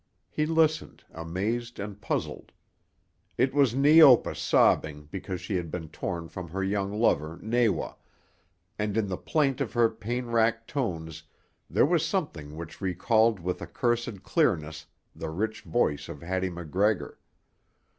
He listened, amazed and puzzled. It was Neopa sobbing because she had been torn from her young lover, Nawa, and in the plaint of her pain racked tones there was something which recalled with accursed clearness the rich voice of Hattie MacGregor.